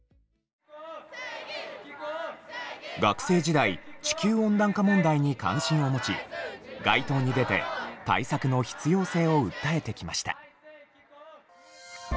学生時代地球温暖化問題に関心を持ち街頭に出て対策の必要性を訴えてきました。